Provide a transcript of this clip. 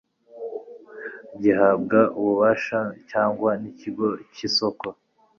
gihabwa ububasha cyangwa n ikigo cy isoko